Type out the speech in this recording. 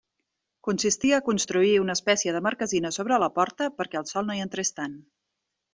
Consistia a construir una espècie de marquesina sobre la porta perquè el sol no hi entrés tant.